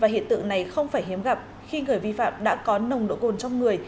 điện tử này không phải hiếm gặp khi người vi phạm đã có nồng độ cồn trong người